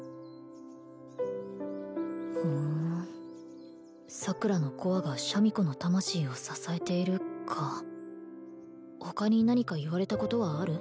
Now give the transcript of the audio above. ふん桜のコアがシャミ子の魂を支えているか他に何か言われたことはある？